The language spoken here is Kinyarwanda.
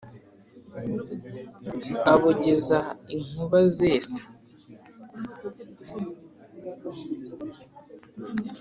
abogeza inkuba zesa,